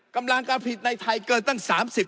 กำลังการผิดในไทยเกินตั้ง๓๐